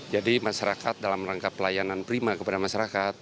jadi masyarakat dalam rangka pelayanan prima kepada masyarakat